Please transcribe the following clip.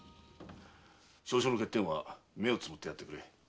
少々の欠点は目をつぶってやってくれ。